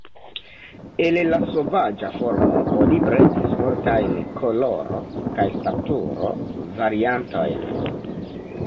El la sovaĝa formo oni bredis multajn koloro- kaj staturo-variantojn.